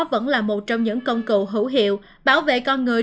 vẫn là một trong những công cụ hữu hiệu bảo vệ con người